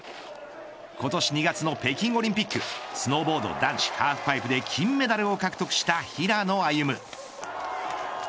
今年２月の北京オリンピックスノーボード男子ハーフパイプで金メダルを獲得した平野歩夢です。